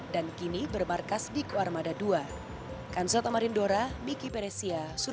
dan kini bermarkas di kuarmada ii